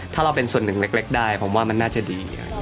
ถ้าเราเป็นส่วนหนึ่งเล็กได้ผมว่ามันน่าจะดี